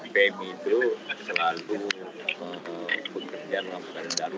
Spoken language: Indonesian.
pem itu selalu berkumpul dengan masyarakat